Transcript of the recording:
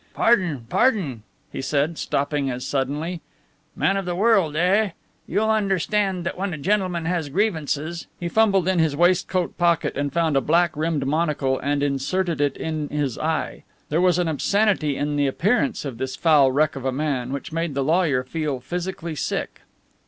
"Pardon, pardon," he said, stopping as suddenly. "Man of the world, eh? You'll understand that when a gentleman has grievances...." He fumbled in his waistcoat pocket and found a black rimmed monocle and inserted it in his eye. There was an obscenity in the appearance of this foul wreck of a man which made the lawyer feel physically sick.